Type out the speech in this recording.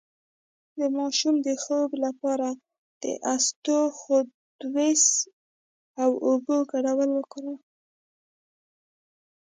د ماشوم د خوب لپاره د اسطوخودوس او اوبو ګډول وکاروئ